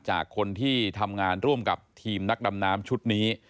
จากคนที่ทำงานร่วมกับทีมนักดำน้ำชุดนี้